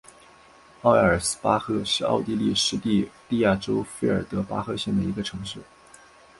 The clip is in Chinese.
奥埃尔斯巴赫是奥地利施蒂利亚州费尔德巴赫县的一个市镇。